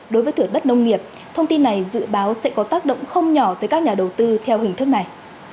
đối với thửa đất nông nghiệp thông tin này dự báo sẽ có tác động không nhỏ tới các nhà đầu tư theo hình thức này